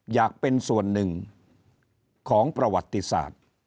อยากเป็นส่วนหนึ่งของประวัติศาสตร์